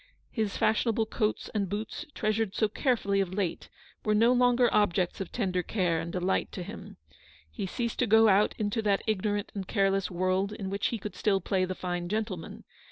His fashionable coats and boots, treasured so care fully of late, were no longer objects of tender care and delight to him. He ceased to go out into that ignorant and careless world in which he could still play the fine gentleman.